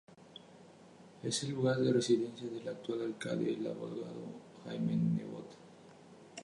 Es el lugar de residencia del actual alcalde, el abogado Jaime Nebot.